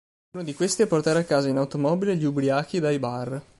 Uno di questi è portare a casa in automobile gli ubriachi dai bar.